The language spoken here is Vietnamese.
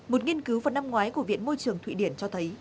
một nghiên cứu vào năm ngoái của viện môi trường thụy điển cho thấy